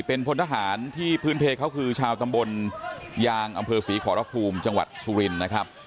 เป็นพลทหารที่พื้นเพเขาคือชาวตำบลยางอำเภอศรีขอรภูมิจังหวัดสุรินนะครับ